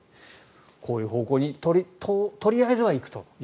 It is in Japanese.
こういう方向にとりあえずは行くと。